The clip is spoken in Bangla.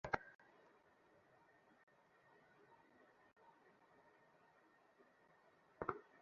বেহারাকে ডাক পড়ল।